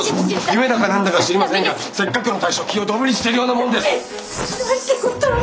夢だか何だか知りませんがせっかくの退職金をドブに捨てるようなもんです！なんてことを！